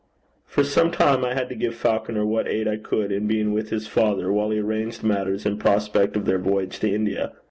For some time I had to give Falconer what aid I could in being with his father while he arranged matters in prospect of their voyage to India.